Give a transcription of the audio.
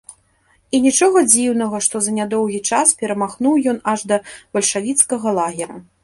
І нічога дзіўнага, што за нядоўгі час перамахнуў ён аж да бальшавіцкага лагера.